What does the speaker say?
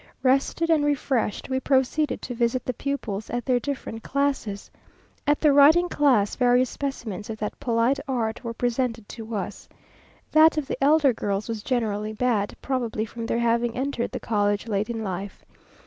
Rested and refreshed, we proceeded to visit the pupils at their different classes. At the writing class various specimens of that polite art were presented to us. That of the elder girls was generally bad, probably from their having entered the college late in life.